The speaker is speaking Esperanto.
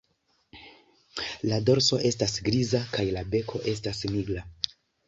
La dorso estas griza kaj la beko estas nigra.